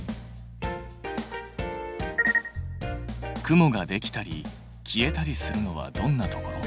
雲ができたり消えたりするのはどんなところ？